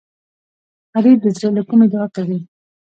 غریب د زړه له کومي دعا کوي